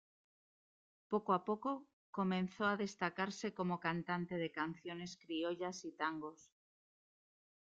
Poco a poco comenzó a destacarse como cantante de canciones criollas y tangos.